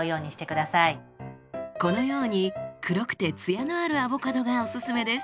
このように黒くてツヤのあるアボカドがおすすめです。